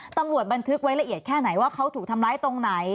บันทึกไว้ละเอียดแค่ไหนว่าเขาถูกทำร้ายตรงไหน